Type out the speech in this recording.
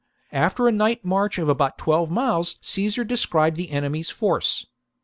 After a night march of about twelve miles Caesar descried the enemy's force.